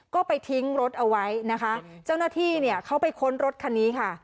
ก็ไปทิ้งรถเอาไว้นะคะเจ้าหน้าที่เนี่ยเขาไปค้นรถคันนี้ค่ะ